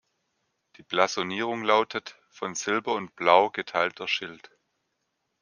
Die Blasonierung lautet: „Von Silber und Blau geteilter Schild.